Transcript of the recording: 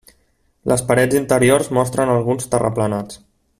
Les parets interiors mostren alguns terraplenats.